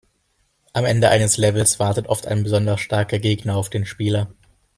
Am Ende eines Levels wartet oft ein besonders starker Gegner auf den Spieler.